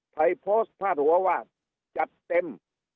ไทยโพสต์พาดหัวว่าจัดเต็ม